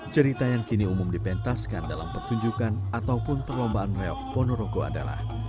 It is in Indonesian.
cerita yang kini umum dipentaskan dalam pertunjukan ataupun perlombaan reok ponorogo adalah